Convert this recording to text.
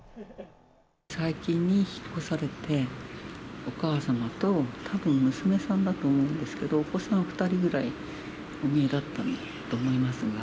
最近、引っ越されて、お母様と、たぶん娘さんだと思うんですけど、お子さん２人ぐらいお見えだったと思いますが。